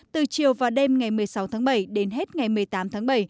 từ chiều và đêm ngày một mươi sáu tháng bảy đến hết ngày một mươi tám tháng bảy